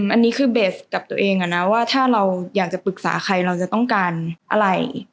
อันนี้คือเบสกับตัวเองว่าถ้าเราอยากจะปรึกษาใครเราจะต้องการอะไร